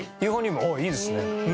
おっいいですね。